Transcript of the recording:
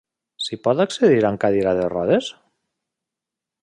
S'hi pot accedir amb cadira de rodes?